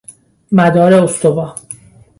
مدار استوا